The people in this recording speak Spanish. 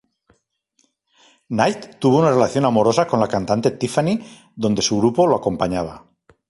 Knight tuvo una relación amorosa con la cantante Tiffany donde su grupo lo acompañaba.